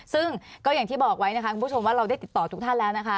ซึ่งก็อย่างที่บอกไว้นะคะคุณผู้ชมว่าเราได้ติดต่อทุกท่านแล้วนะคะ